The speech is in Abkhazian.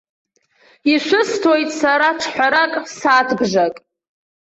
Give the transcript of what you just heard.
Ишәысҭоит сара ҿҳәарас сааҭбжак!